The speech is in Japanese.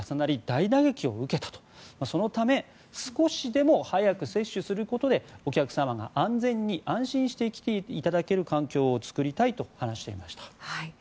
書き入れ時だった年末年始も緊急事態宣言と重なり大打撃を受けたそのため少しでも早く接種することでお客様が安全に安心して来ていただける環境を作りたいと話していました。